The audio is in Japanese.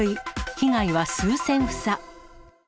被害は数千房。